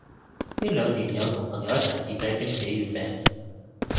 呢兩年有同朋友一齊自製冰皮月餅